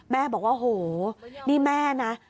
แม่บอกว่าโหนี่แม่นะ